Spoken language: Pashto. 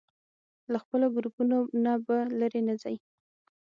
له خپلو ګروپونو نه به لرې نه ځئ.